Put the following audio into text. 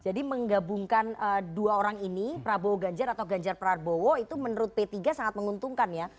jadi menggabungkan dua orang ini prabowo ganjar atau ganjar prabowo itu menurut p tiga sangat menguntungkan ya